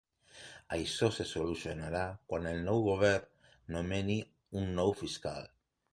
Això se solucionarà quan el nou govern nomeni un nou fiscal.